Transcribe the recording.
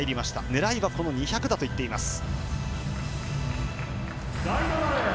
狙いはこの２００ｍだと言っています。